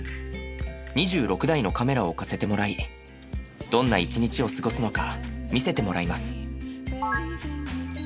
２６台のカメラを置かせてもらいどんな１日を過ごすのか見せてもらいます。